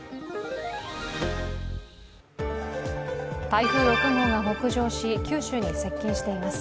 台風６号が北上し、九州に接近しています。